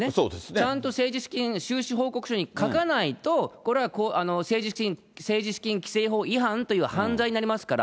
ちゃんと政治資金収支報告書に書かないと、これは政治資金規正法違反という犯罪になりますから。